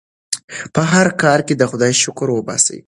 په هر حال کې د خدای شکر وباسئ.